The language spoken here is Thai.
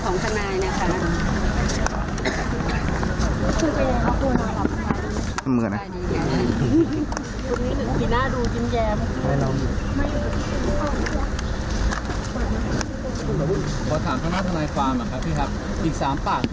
ในวันนี้มีสัมวัติจะมาไหมคะหรือเป็นยังไงครับ